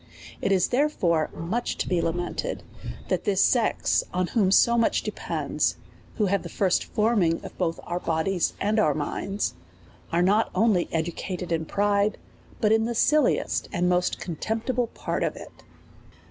\i 4 248 A SERIOUS CALL TO A It is therefore much to be lamented, that this sex, on whom so much depends, who have the first forming both of our bodies and our minds, are not only educa ted in pride, but in the silliest and most contemptible part of it.